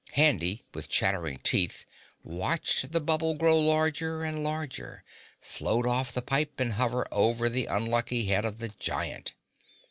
Handy, with chattering teeth, watched the bubble grow larger and larger, float off the pipe and hover over the unlucky head of the Giant.